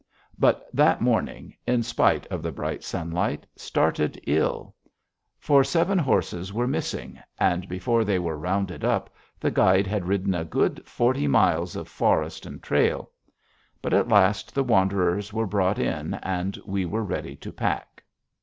But that morning, in spite of the bright sunlight, started ill. For seven horses were missing, and before they were rounded up, the guides had ridden a good forty miles of forest and trail. But, at last, the wanderers were brought in and we were ready to pack.